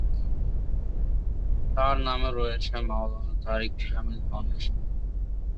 তার নামে রয়েছে মাওলানা তারিক জামিল ফাউন্ডেশন।